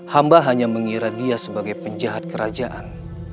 hamba hanya mengira dia sebagai penjahat kerajaan